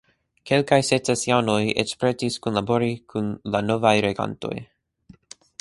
Kelkaj secesianoj eĉ pretis kunlabori kun la novaj regantoj.